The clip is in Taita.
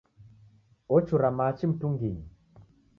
Ochura machi mtunginyi